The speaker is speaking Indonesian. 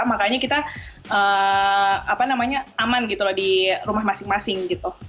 makanya kita aman di rumah masing masing